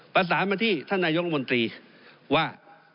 ประสานมาที่ท่านนายกรมนตรีว่า